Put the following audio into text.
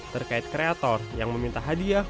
terkait kreator yang meminta hadiah